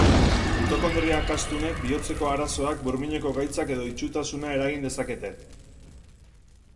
Mitokondria akastunek bihotzeko arazoak, burmuineko gaitzak edo itsutasuna eragin dezakete.